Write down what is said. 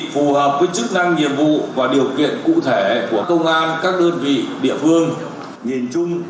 phù hợp với chức năng nhiệm vụ và điều kiện cụ thể của công an các đơn vị địa phương nhìn chung